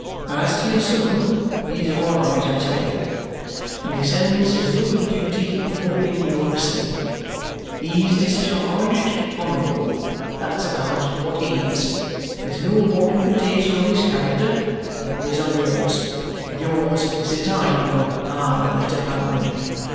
As to your son, he's all right, I tell you; and he sends his loving duty, and hoping you're the same. He's discharged honourable; that's about what HE is; with no more imputation on his character than there is on yours, and yours is a tidy one, I'LL bet a pound.